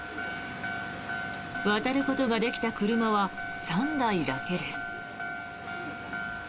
渡ることができた車は３台だけです。